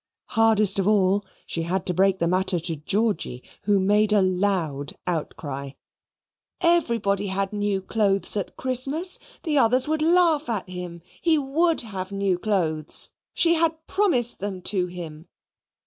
Hardest of all, she had to break the matter to Georgy, who made a loud outcry. Everybody had new clothes at Christmas. The others would laugh at him. He would have new clothes. She had promised them to him.